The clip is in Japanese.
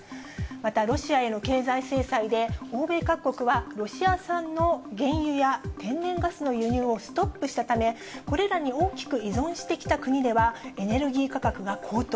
また、ロシアへの経済制裁で、欧米各国はロシア産の原油や天然ガスの輸入をストップしたため、これらに大きく依存してきた国では、エネルギー価格が高騰。